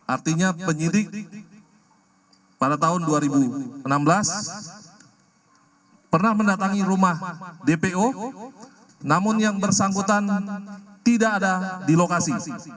artinya penyidik pada tahun dua ribu enam belas pernah mendatangi rumah dpo namun yang bersangkutan tidak ada di lokasi